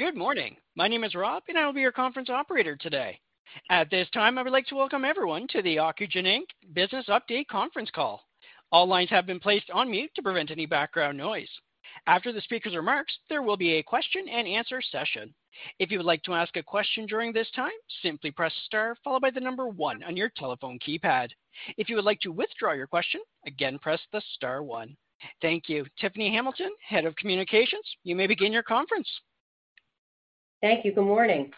Good morning. My name is Rob, and I will be your conference operator today. At this time, I would like to welcome everyone to the Ocugen, Inc. Business Update Conference Call. All lines have been placed on mute to prevent any background noise. After the speaker's remarks, there will be a question-and-answer session. If you would like to ask a question during this time, simply press star followed by the number one on your telephone keypad. If you would like to withdraw your question, again, press the star one. Thank you. Tiffany Hamilton, Head of Communications, you may begin your conference. Thank you. Good morning.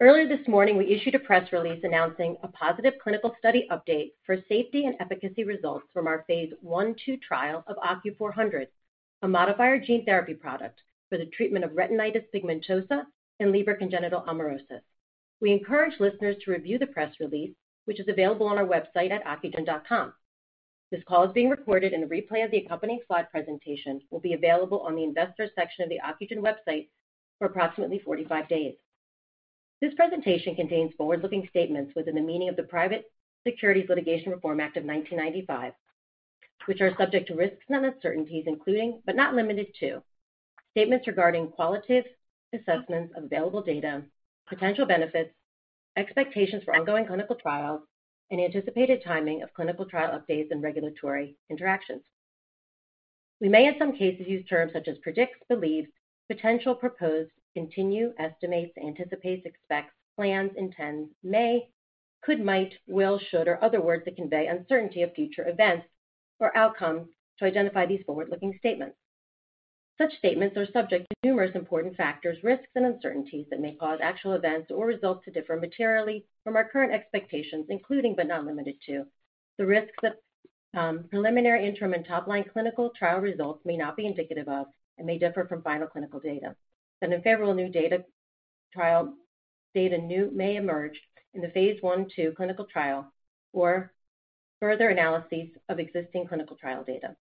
Earlier this morning, we issued a press release announcing a positive clinical study update for safety and efficacy results from our Phase I/II trial of OCU400, a modifier gene therapy product for the treatment of retinitis pigmentosa and Leber congenital amaurosis. We encourage listeners to review the press release, which is available on our website at ocugen.com. This call is being recorded, and a replay of the accompanying slide presentation will be available on the investor section of the Ocugen website for approximately 45 days. This presentation contains forward-looking statements within the meaning of the Private Securities Litigation Reform Act of 1995, which are subject to risks and uncertainties, including, but not limited to, statements regarding qualitative assessments of available data, potential benefits, expectations for ongoing clinical trials, and anticipated timing of clinical trial updates and regulatory interactions. We may, in some cases, use terms such as predicts, believes, potential, proposed, continue, estimates, anticipates, expects, plans, intends, may, could, might, will, should, or other words that convey uncertainty of future events or outcomes to identify these forward-looking statements. Such statements are subject to numerous important factors, risks, and uncertainties that may cause actual events or results to differ materially from our current expectations, including but not limited to, the risks that preliminary, interim, and top-line clinical trial results may not be indicative of and may differ from final clinical data. And unfavorable new trial data, new data may emerge in the Phase I/II clinical trial or further analyses of existing clinical trial data.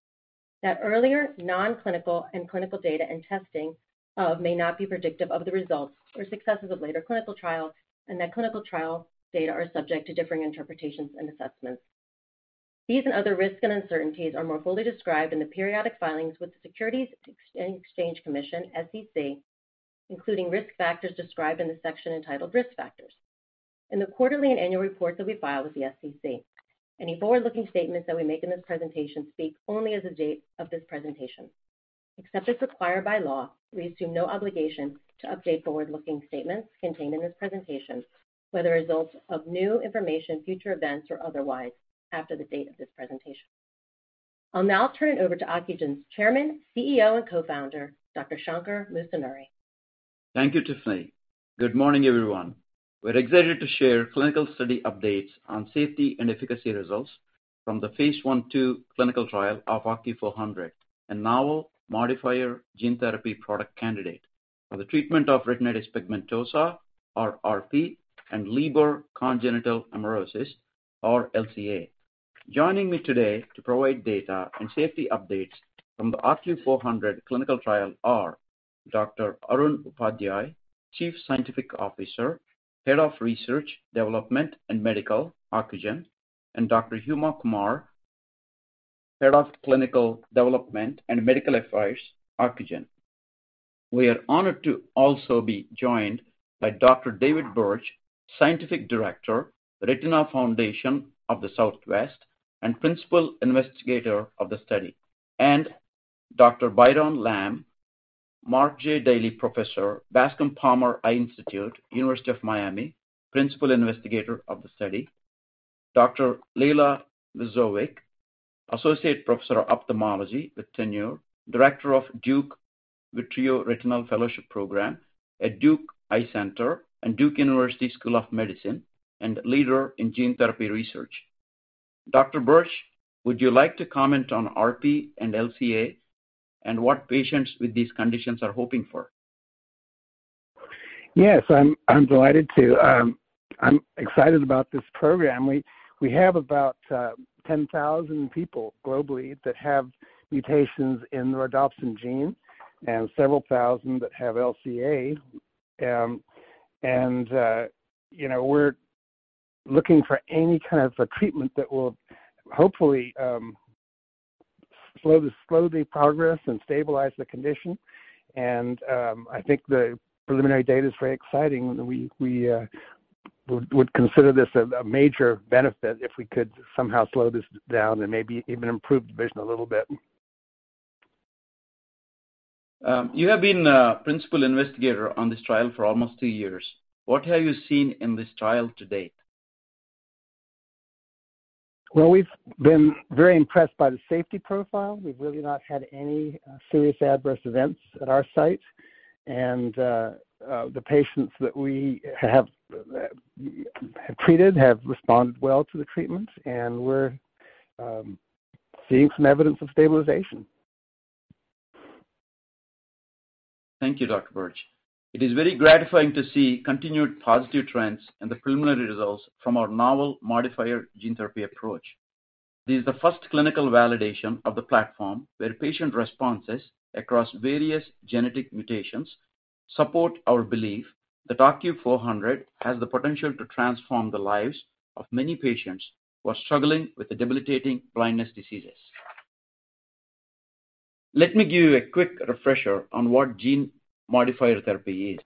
That earlier non-clinical and clinical data and testing of may not be predictive of the results or successes of later clinical trials, and that clinical trial data are subject to differing interpretations and assessments. These and other risks and uncertainties are more fully described in the periodic filings with the Securities and Exchange Commission, SEC, including risk factors described in the section entitled Risk Factors. In the quarterly and annual reports that we file with the SEC, any forward-looking statements that we make in this presentation speak only as of date of this presentation. Except as required by law, we assume no obligation to update forward-looking statements contained in this presentation, whether as a result of new information, future events, or otherwise after the date of this presentation. I'll now turn it over to Ocugen's Chairman, CEO, and Co-Founder, Dr. Shankar Musunuri. Thank you, Tiffany. Good morning, everyone. We're excited to share clinical study updates on safety and efficacy results from Phase I/II clinical trial of OCU400, a novel modifier gene therapy product candidate for the treatment of retinitis pigmentosa, or RP, and Leber congenital amaurosis, or LCA. Joining me today to provide data and safety updates from the OCU400 clinical trial are Dr. Arun Upadhyay, Chief Scientific Officer, Head of Research, Development, and Medical, Ocugen, and Dr. Huma Qamar, Head of Clinical Development and Medical Affairs, Ocugen. We are honored to also be joined by Dr. David Birch, Scientific Director, Retina Foundation of the Southwest and Principal Investigator of the study, and Dr. Byron Lam, Mark J. Daily Professor, Bascom Palmer Eye Institute, University of Miami, Principal Investigator of the study. Dr. Lejla Vajzovic, Associate Professor of Ophthalmology with tenure, Director of Duke Vitreoretinal Fellowship Program at Duke Eye Center and Duke University School of Medicine, and leader in gene therapy research. Dr. Birch, would you like to comment on RP and LCA and what patients with these conditions are hoping for? Yes, I'm delighted to. I'm excited about this program. We have about 10,000 people globally that have mutations in the rhodopsin gene and several thousand that have LCA. And you know, we're looking for any kind of a treatment that will hopefully slow the progress and stabilize the condition. And I think the preliminary data is very exciting. We would consider this a major benefit if we could somehow slow this down and maybe even improve vision a little bit. You have been a principal investigator on this trial for almost two years. What have you seen in this trial to date? Well, we've been very impressed by the safety profile. We've really not had any serious adverse events at our site. The patients that we have have treated have responded well to the treatment, and we're seeing some evidence of stabilization. Thank you, Dr. Birch. It is very gratifying to see continued positive trends and the preliminary results from our novel modifier gene therapy approach. This is the first clinical validation of the platform, where patient responses across various genetic mutations support our belief that OCU400 has the potential to transform the lives of many patients who are struggling with the debilitating blindness diseases.... Let me give you a quick refresher on what gene modifier therapy is.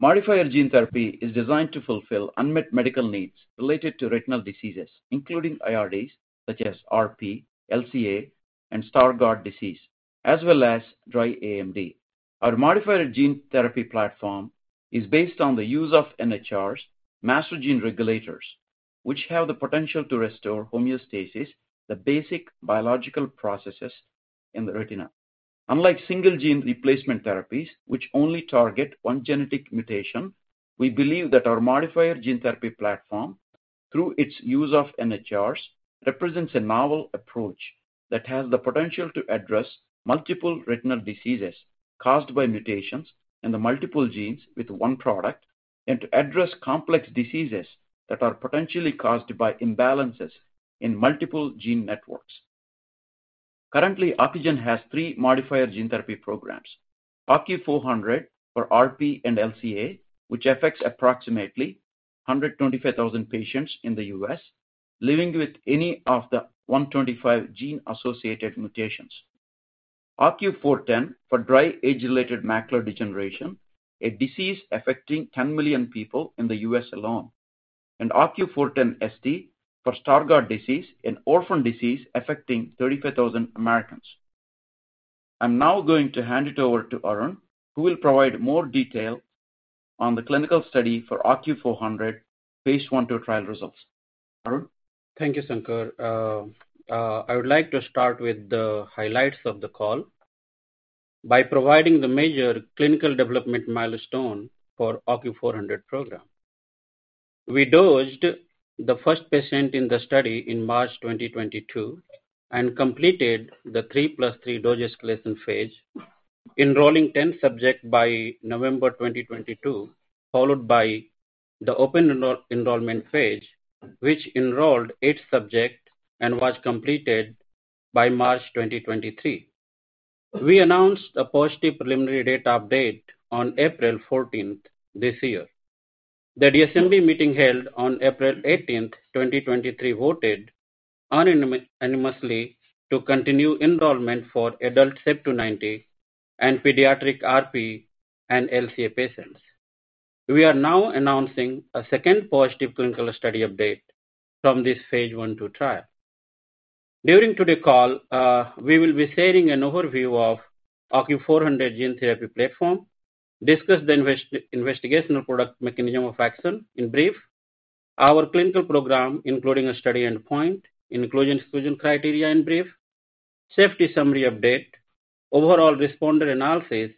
Modifier gene therapy is designed to fulfill unmet medical needs related to retinal diseases, including IRDs, such as RP, LCA, and Stargardt disease, as well as dry AMD. Our modifier gene therapy platform is based on the use of NHRs, master gene regulators, which have the potential to restore homeostasis, the basic biological processes in the retina. Unlike single gene replacement therapies, which only target one genetic mutation, we believe that our modifier gene therapy platform, through its use of NHRs, represents a novel approach that has the potential to address multiple retinal diseases caused by mutations in the multiple genes with one product, and to address complex diseases that are potentially caused by imbalances in multiple gene networks. Currently, Ocugen has three modifier gene therapy programs: OCU400 for RP and LCA, which affects approximately 125,000 patients in the U.S., living with any of the 125 gene-associated mutations. OCU410 for dry age-related macular degeneration, a disease affecting 10 million people in the U.S. alone. And OCU410ST for Stargardt disease, an orphan disease affecting 35,000 Americans. I'm now going to hand it over to Arun, who will provide more detail on the clinical study for Phase I/II trial results. Arun? Thank you, Shankar. I would like to start with the highlights of the call by providing the major clinical development milestone for OCU400 program. We dosed the first patient in the study in March 2022, and completed the 3+3 dosage escalation phase, enrolling 10 subjects by November 2022, followed by the open enrollment phase, which enrolled eight subjects and was completed by March 2023. We announced a positive preliminary data update on April 14 this year. The DSMB meeting, held on April 18, 2023, voted unanimously to continue enrollment for adult CEP290 and pediatric RP and LCA patients. We are now announcing a second positive clinical study update from this Phase I/II trial. During today's call, we will be sharing an overview of OCU400 gene therapy platform, discuss the investigational product mechanism of action in brief, our clinical program, including a study endpoint, inclusion/exclusion criteria in brief, safety summary update, overall responder analysis,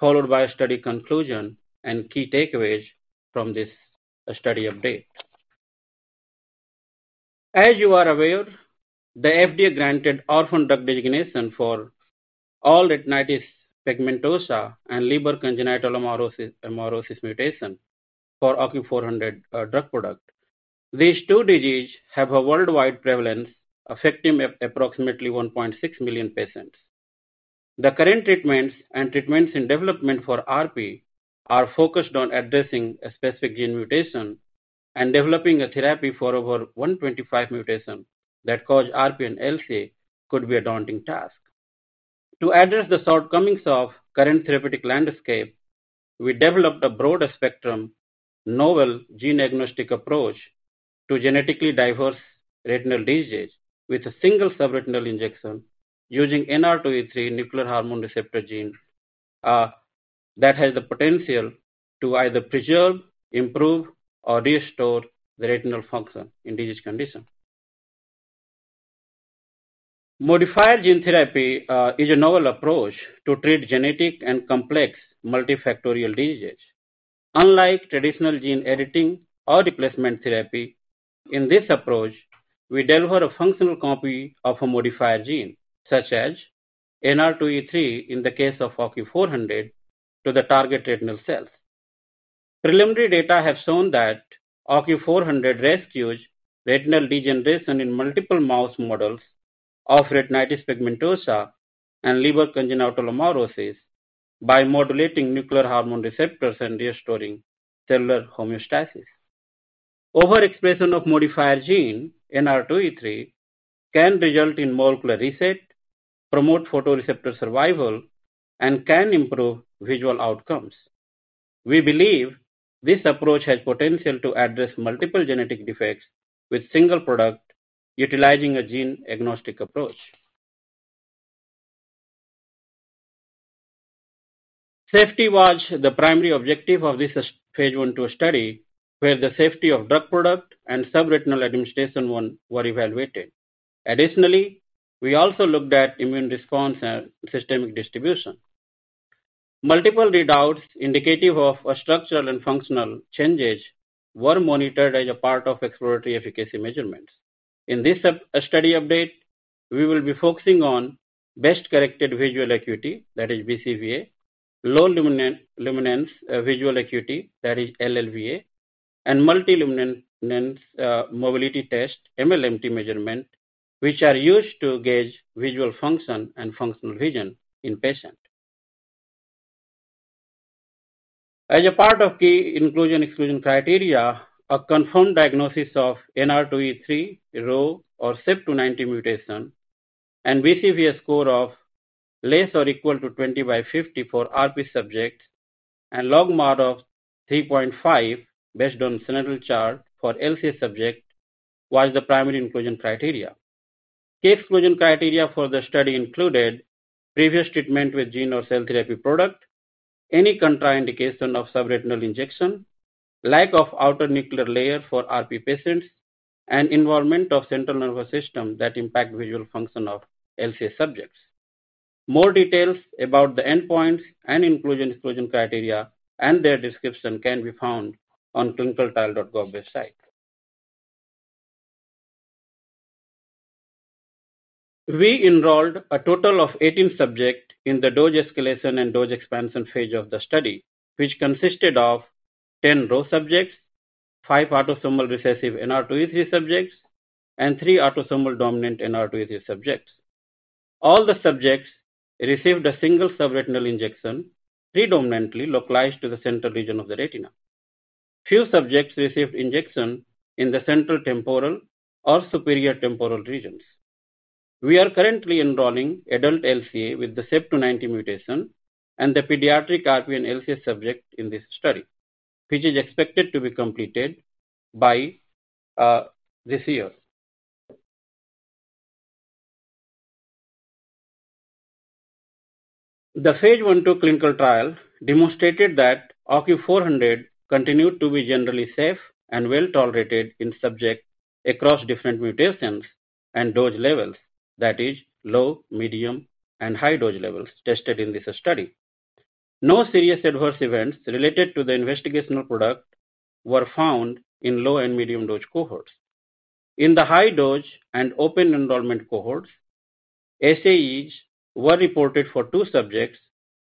followed by study conclusion and key takeaways from this study update. As you are aware, the FDA granted orphan drug designation for all retinitis pigmentosa and Leber congenital amaurosis mutations for OCU400 drug product. These two diseases have a worldwide prevalence, affecting approximately 1.6 million patients. The current treatments and treatments in development for RP are focused on addressing a specific gene mutation, and developing a therapy for over 125 mutations that cause RP and LCA could be a daunting task. To address the shortcomings of current therapeutic landscape, we developed a broader-spectrum, novel, gene-agnostic approach to genetically diverse retinal diseases with a single subretinal injection using NR2E3 nuclear hormone receptor gene, that has the potential to either preserve, improve, or restore the retinal function in this condition. Modifier gene therapy is a novel approach to treat genetic and complex multifactorial diseases. Unlike traditional gene editing or replacement therapy, in this approach, we deliver a functional copy of a modifier gene, such as NR2E3, in the case of OCU400, to the target retinal cells. Preliminary data have shown that OCU400 rescues retinal degeneration in multiple mouse models of retinitis pigmentosa and Leber congenital amaurosis by modulating nuclear hormone receptors and restoring cellular homeostasis. Overexpression of modifier gene, NR2E3, can result in molecular reset, promote photoreceptor survival, and can improve visual outcomes. We believe this approach has potential to address multiple genetic defects with single product utilizing a gene-agnostic approach. Safety was the primary objective of this Phase I/II study, where the safety of drug product and subretinal administration were evaluated. Additionally, we also looked at immune response and systemic distribution. Multiple readouts indicative of structural and functional changes were monitored as a part of exploratory efficacy measurements. In this sub-study update, we will be focusing on best corrected visual acuity, that is BCVA, low luminance visual acuity, that is LLVA, and multi-luminance mobility test, MLMT measurement, which are used to gauge visual function and functional vision in patients. As part of key inclusion/exclusion criteria, a confirmed diagnosis of NR2E3, RHO, or CEP290 mutation, and BCVA score of less or equal to 20/50 for RP subjects, and logMAR of 3.5, based on Snellen chart for LCA subject, was the primary inclusion criteria. Key exclusion criteria for the study included: previous treatment with gene or cell therapy product, any contraindication of subretinal injection, lack of outer nuclear layer for RP patients, and involvement of central nervous system that impact visual function of LCA subjects. More details about the endpoints and inclusion/exclusion criteria, and their description, can be found on clinicaltrials.gov website. We enrolled a total of 18 subjects in the dose escalation and dose expansion phase of the study, which consisted of 10 RHO subjects, five autosomal recessive NR2E3 subjects, and three autosomal dominant NR2E3 subjects. All the subjects received a single subretinal injection, predominantly localized to the center region of the retina. Few subjects received injection in the central temporal or superior temporal regions. We are currently enrolling adult LCA with the CEP290 mutation and the pediatric RP and LCA subject in this study, which is expected to be completed by this year. The Phase I/II clinical trials demonstrated that OCU400 continued to be generally safe and well-tolerated in subjects across different mutations and dose levels, that is, low, medium, and high dose levels tested in this study. No serious adverse events related to the investigational product were found in low and medium dose cohorts. In the high dose and open enrollment cohorts, SAEs were reported for two subjects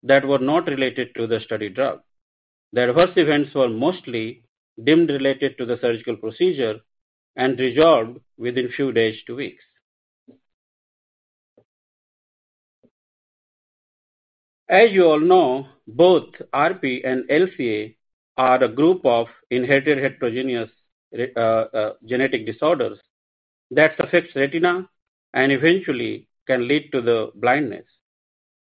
that were not related to the study drug. The adverse events were mostly deemed related to the surgical procedure and resolved within few days to weeks. As you all know, both RP and LCA are a group of inherited heterogeneous genetic disorders that affects retina and eventually can lead to the blindness.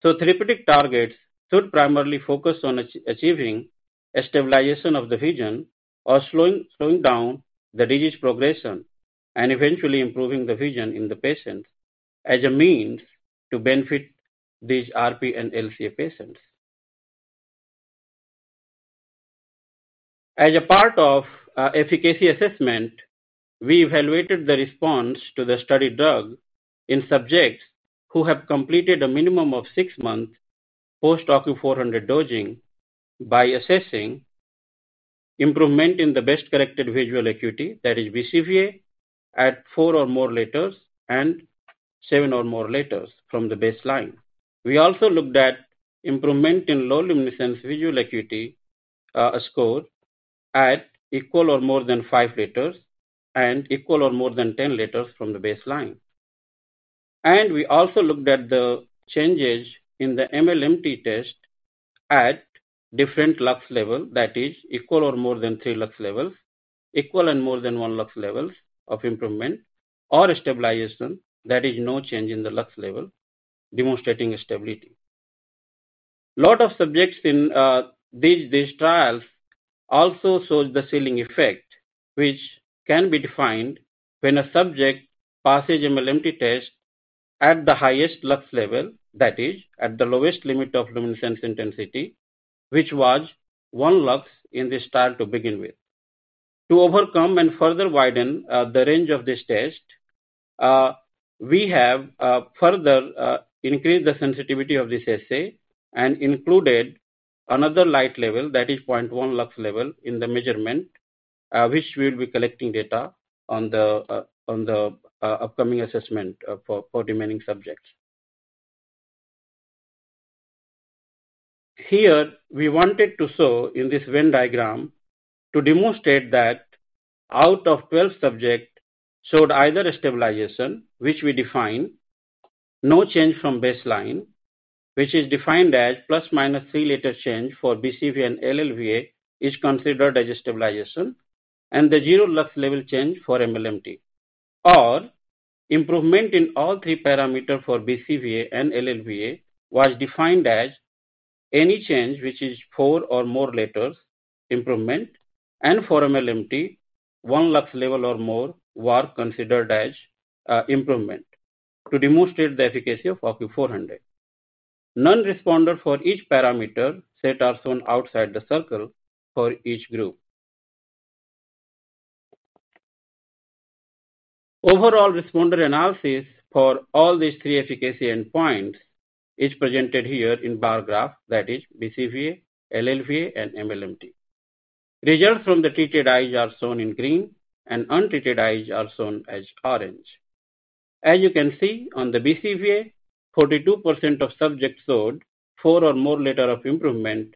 So therapeutic targets should primarily focus on achieving a stabilization of the vision or slowing down the disease progression, and eventually improving the vision in the patient as a means to benefit these RP and LCA patients. As a part of efficacy assessment, we evaluated the response to the study drug in subjects who have completed a minimum of six months post OCU400 dosing by assessing improvement in the best corrected visual acuity, that is BCVA, at four or more letters and seven or more letters from the baseline. We also looked at improvement in low luminance visual acuity score at equal or more than five letters and equal or more than 10 letters from the baseline. We also looked at the changes in the MLMT test at different lux level, that is, equal or more than three lux levels, equal and more than one lux levels of improvement or stabilization, that is, no change in the lux level, demonstrating stability. A lot of subjects in these trials also shows the ceiling effect, which can be defined when a subject passes MLMT test at the highest lux level, that is, at the lowest limit of luminance intensity, which was one lux in this trial to begin with. To overcome and further widen the range of this test, we have further increased the sensitivity of this assay and included another light level, that is 0.1 lux level, in the measurement, which we will be collecting data on the upcoming assessment for remaining subjects. Here, we wanted to show in this Venn diagram to demonstrate that out of 12 subjects showed either a stabilization, which we define, no change from baseline, which is defined as ±3 letter change for BCVA and LLVA, is considered as a stabilization, and the zero lux level change for MLMT. Or improvement in all three parameter for BCVA and LLVA was defined as any change which is four or more letters, improvement, and for MLMT, one lux level or more, were considered as, a, improvement to demonstrate the efficacy of OCU400. Non-responder for each parameter set are shown outside the circle for each group. Overall responder analysis for all these three efficacy endpoints is presented here in bar graph, that is BCVA, LLVA, and MLMT. Results from the treated eyes are shown in green, and untreated eyes are shown as orange. As you can see on the BCVA, 42% of subjects showed four or more letter of improvement,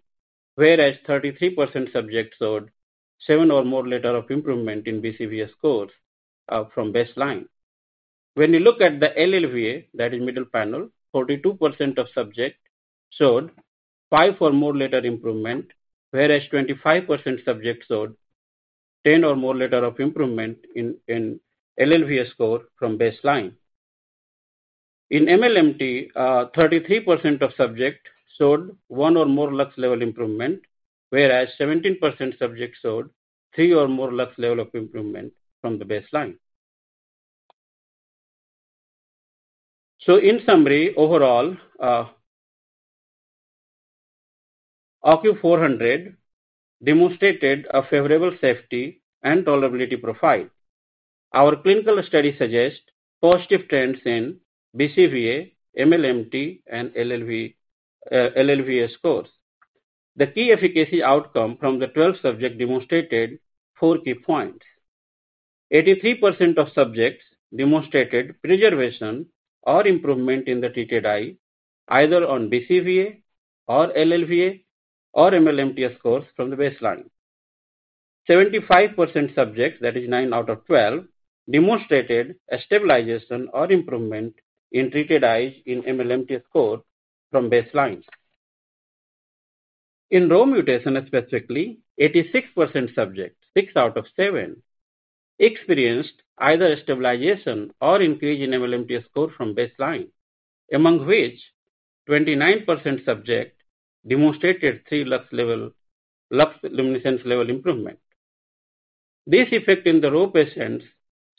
whereas 33% subjects showed seven or more letter of improvement in BCVA scores from baseline. When you look at the LLVA, that is middle panel, 42% of subjects showed five or more letter improvement, whereas 25% subjects showed 10 or more letter of improvement in LLVA score from baseline. In MLMT, 33% of subjects showed one or more lux level improvement, whereas 17% subjects showed three or more lux level of improvement from the baseline. So in summary, overall, OCU400 demonstrated a favorable safety and tolerability profile. Our clinical study suggests positive trends in BCVA, MLMT, and LLVA scores. The key efficacy outcome from the 12 subjects demonstrated four key points. 83% of subjects demonstrated preservation or improvement in the treated eye, either on BCVA or LLVA or MLMT scores from the baseline. 75% subjects, that is nine out of 12, demonstrated a stabilization or improvement in treated eyes in MLMT score from baseline. In RHO mutation, specifically, 86% subjects, six out of seven, experienced either stabilization or increase in MLMT score from baseline, among which 29% subject demonstrated three lux level-lux luminescence level improvement. This effect in the RHO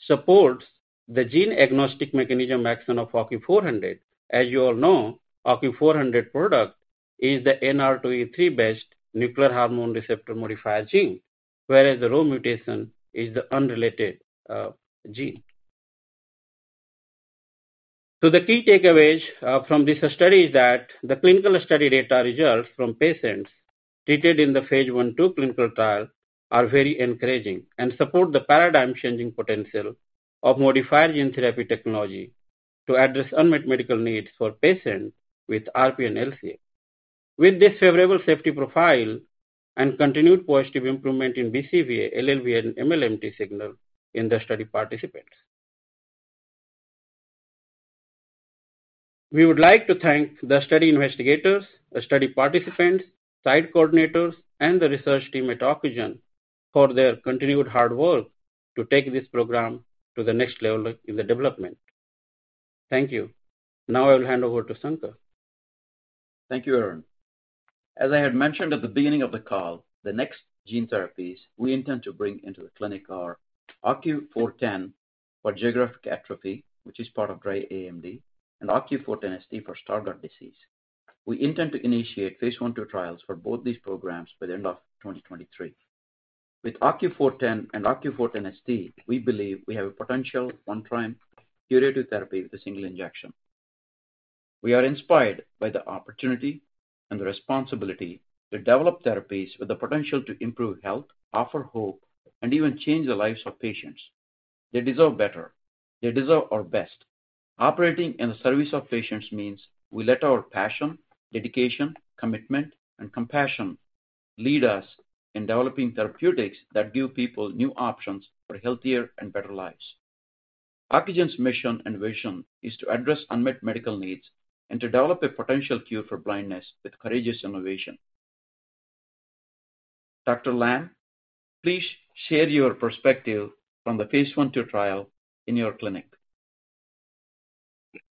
patients supports the gene agnostic mechanism action of OCU400. As you all know, OCU400 product is the NR2E3-based nuclear hormone receptor modifier gene, whereas the RHO mutation is the unrelated gene. So the key takeaways from this study is that the clinical study data results from patients treated in the Phase I/II clinical trial are very encouraging and support the paradigm-changing potential of modifier gene therapy technology to address unmet medical needs for patients with RP and LCA. With this favorable safety profile and continued positive improvement in BCVA, LLVA, and MLMT signal in the study participants. We would like to thank the study investigators, the study participants, site coordinators, and the research team at Ocugen for their continued hard work to take this program to the next level in the development. Thank you. Now I will hand over to Shankar. Thank you, Arun. As I had mentioned at the beginning of the call, the next gene therapies we intend to bring into the clinic are OCU410 for geographic atrophy, which is part of dry AMD, and OCU410ST for Stargardt disease. We intend to initiate Phase I/II trials for both these programs by the end of 2023. With OCU410 and OCU410ST, we believe we have a potential one-time curative therapy with a single injection. We are inspired by the opportunity and the responsibility to develop therapies with the potential to improve health, offer hope, and even change the lives of patients. They deserve better. They deserve our best. Operating in the service of patients means we let our passion, dedication, commitment, and compassion lead us in developing therapeutics that give people new options for healthier and better lives. Ocugen's mission and vision is to address unmet medical needs and to develop a potential cure for blindness with courageous innovation. Dr. Lam, please share your perspective from the Phase I/II trial in your clinic?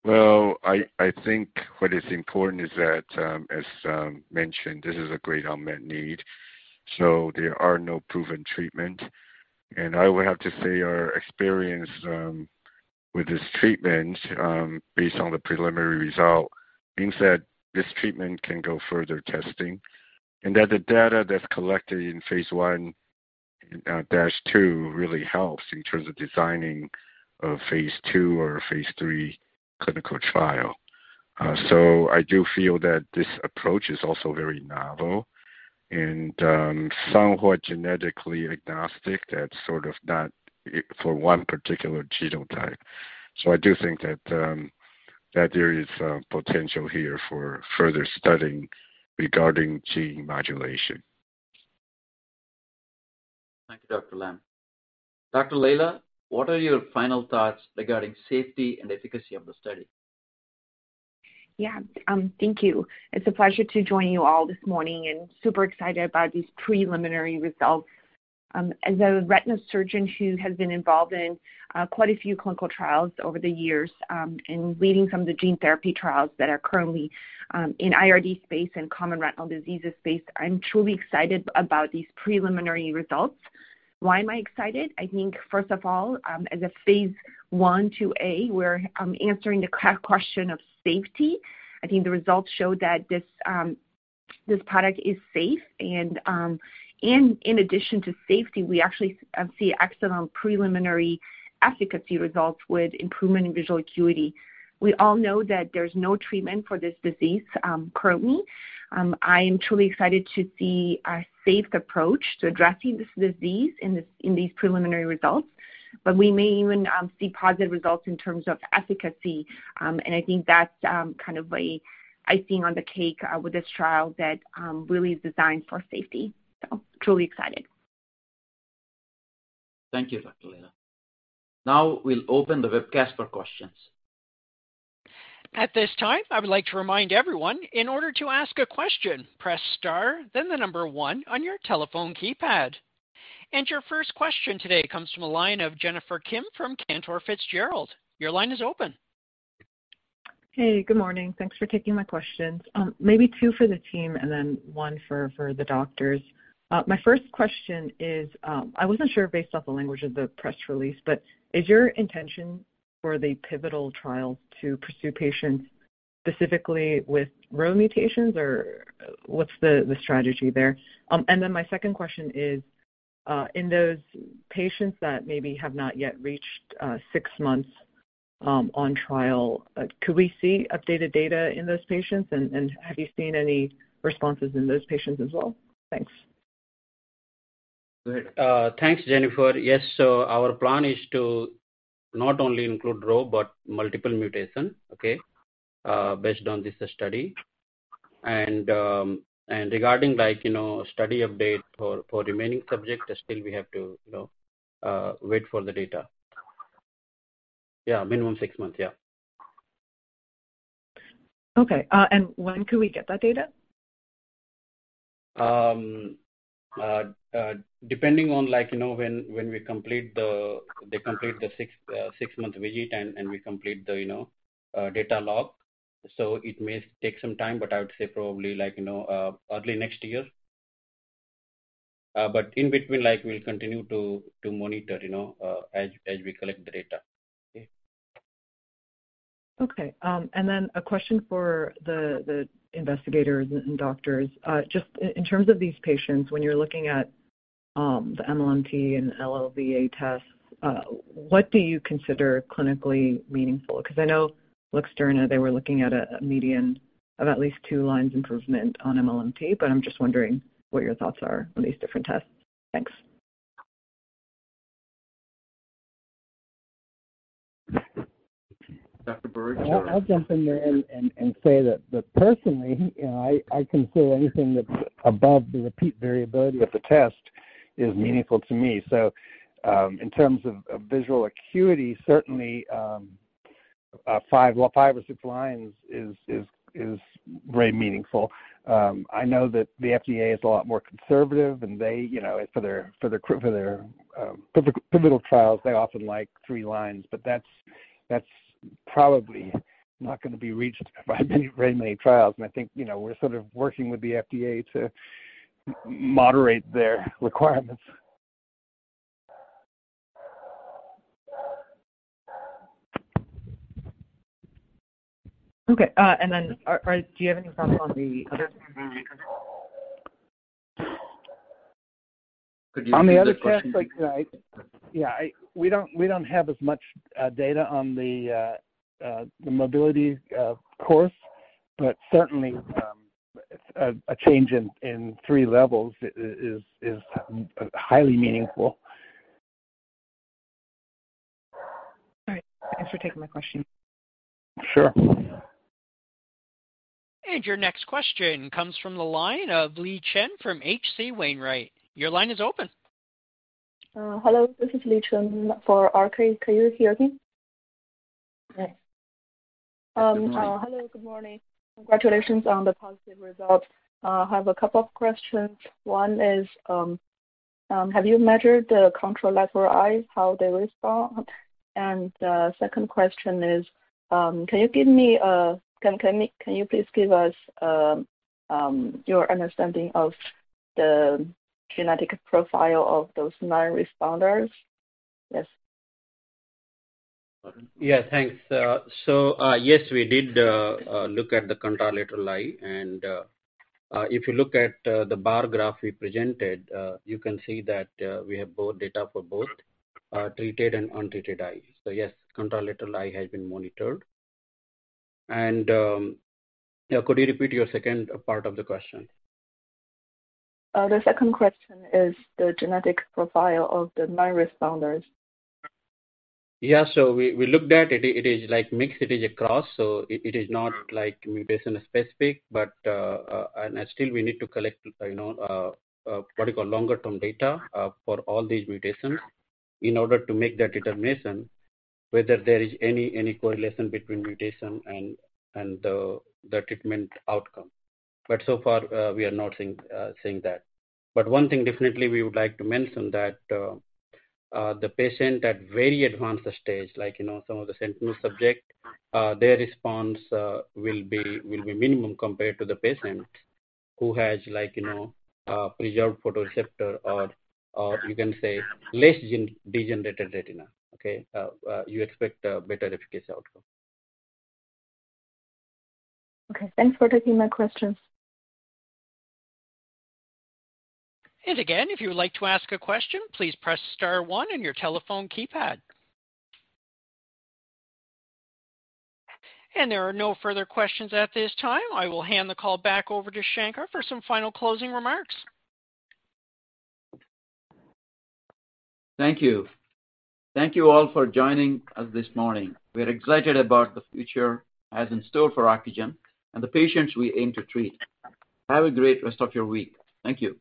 Well, I think what is important is that, as mentioned, this is a great unmet need, so there are no proven treatment. And I would have to say our experience with this treatment based on the preliminary result means that this treatment can go further testing, and that the data that's collected in phase I/II really helps in terms of designing a phase II or phase III clinical trial. So I do feel that this approach is also very novel and somewhat genetically agnostic. That's sort of not for one particular genotype. So I do think that there is potential here for further studying regarding gene modulation. Thank you, Dr. Lam. Dr. Lejla, what are your final thoughts regarding safety and efficacy of the study? Yeah, thank you. It's a pleasure to join you all this morning, and super excited about these preliminary results. As a retina surgeon who has been involved in quite a few clinical trials over the years, and leading some of the gene therapy trials that are currently in IRD space and common retinal diseases space, I'm truly excited about these preliminary results. Why am I excited? I think, first of all, as a phase I/II-A, we're answering the key question of safety. I think the results show that this product is safe and, in addition to safety, we actually see excellent preliminary efficacy results with improvement in visual acuity. We all know that there's no treatment for this disease currently. I am truly excited to see a safe approach to addressing this disease in these preliminary results, but we may even see positive results in terms of efficacy. And I think that's kind of icing on the cake with this trial that really is designed for safety. So truly excited. Thank you, Dr. Lena. Now we'll open the webcast for questions. At this time, I would like to remind everyone, in order to ask a question, press star, then the number one on your telephone keypad. Your first question today comes from the line of Jennifer Kim from Cantor Fitzgerald. Your line is open. Hey, good morning. Thanks for taking my questions. Maybe two for the team and then one for the doctors. My first question is, I wasn't sure based off the language of the press release, but is your intention for the pivotal trial to pursue patients specifically with RHO mutations, or what's the strategy there? And then my second question is, in those patients that maybe have not yet reached six months on trial, could we see updated data in those patients? And have you seen any responses in those patients as well? Thanks. Great. Thanks, Jennifer. Yes, so our plan is to not only include RHO, but multiple mutation, okay, based on this study. And, and regarding, like, you know, study update for remaining subject, still we have to, you know, wait for the data. Yeah, minimum six months. Yeah. Okay. And when could we get that data? Depending on, like, you know, when, when we complete the, they complete the six month visit and, and we complete the, you know, data log. So it may take some time, but I would say probably like, you know, early next year. But in between, like, we'll continue to monitor, you know, as we collect the data. Okay? Okay. And then a question for the investigators and doctors. Just in terms of these patients, when you're looking at the MLMT and LLVA tests, what do you consider clinically meaningful? Because I know Luxturna, they were looking at a median of at least two lines improvement on MLMT, but I'm just wondering what your thoughts are on these different tests. Thanks. Dr. Birch? I'll jump in there and say that personally, you know, I consider anything that's above the repeat variability of the test is meaningful to me. So, in terms of visual acuity, certainly, five, well, five or six lines is very meaningful. I know that the FDA is a lot more conservative, and they, you know, for their, for the pivotal trials, they often like three lines. But that's probably not going to be reached by many, very many trials. And I think, you know, we're sort of working with the FDA to moderate their requirements. Okay. Then, do you have any thoughts on the other...? Could you- On the other test, like, yeah, we don't have as much data on the mobility course, but certainly a change in three levels is highly meaningful. All right. Thanks for taking my question. Sure. Your next question comes from the line of Li Chen from H.C. Wainwright. Your line is open. Hello, this is Li Chen for RK. Can you hear me? Yes. Hello, good morning. Congratulations on the positive results. I have a couple of questions. One is, have you measured the contralateral eye, how they respond? Second question is, can you please give us your understanding of the genetic profile of those nine responders? Yes. Yeah, thanks. So, yes, we did look at the contralateral eye, and if you look at the bar graph we presented, you can see that we have both data for both treated and untreated eyes. So yes, contralateral eye has been monitored. And yeah, could you repeat your second part of the question? The second question is the genetic profile of the nine responders. Yeah. So we looked at it. It is like mixed. It is across, so it is not like mutation-specific, but and still we need to collect, you know, what you call longer-term data for all these mutations in order to make that determination whether there is any correlation between mutation and the treatment outcome. But so far, we are not seeing that. But one thing definitely we would like to mention that the patient at very advanced stage, like, you know, some of the sentinel subject their response will be minimum compared to the patient who has like, you know, preserved photoreceptor or you can say less degenerated retina, okay? You expect a better efficacy outcome. Okay. Thanks for taking my questions. Again, if you would like to ask a question, please press star one on your telephone keypad. There are no further questions at this time. I will hand the call back over to Shankar for some final closing remarks. Thank you. Thank you all for joining us this morning. We're excited about the future in store for Ocugen and the patients we aim to treat. Have a great rest of your week. Thank you.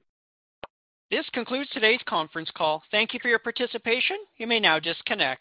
This concludes today's conference call. Thank you for your participation. You may now disconnect.